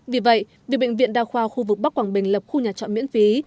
vì vậy việc bệnh viện đa khoa khu vực bắc quảng bình lập khu nhà chọn miễn phí